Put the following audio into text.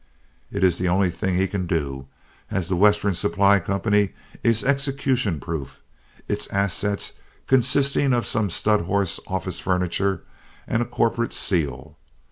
It is the only thing he can do, as The Western Supply Company is execution proof, its assets consisting of some stud horse office furniture and a corporate seal.